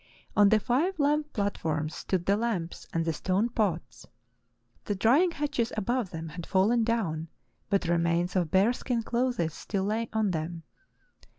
On the five lamp platforms stood the lamps and the stone pots. The drying hatches above them had fallen down, but remains of bear skin clothes still la}^ on them.